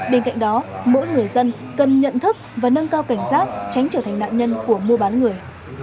bên cạnh đó mỗi người dân cần nhận thức và nâng cao cảnh giác tránh trở thành nạn nhân của mua bán người